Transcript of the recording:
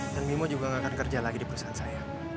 dan mimo juga gak akan kerja lagi di perusahaan saya